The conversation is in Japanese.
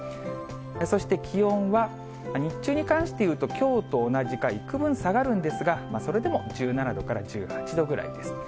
そして気温は、日中に関していうと、きょうと同じかいくぶん下がるんですが、それでも１７度から１８度ぐらいです。